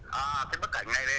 cái bức ảnh này